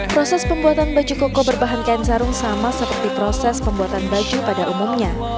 proses pembuatan baju koko berbahan kain sarung sama seperti proses pembuatan baju pada umumnya